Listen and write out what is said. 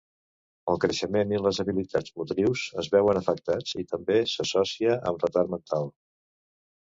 El creixement i les habilitats motrius es veuen afectats, i també s'associa amb retard mental.